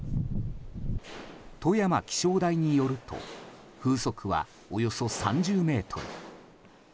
富山気象台によると風速はおよそ３０メートル。